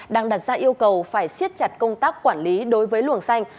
đang đặt ra yêu cầu phải siết chặt công tác quản lý đối với luồng xanh